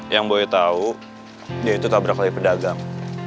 yang gue tau dia itu tabrak lagi pedagang